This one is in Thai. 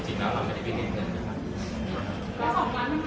จริงแล้วเราไม่ได้ไปเรียนเงินนะครับ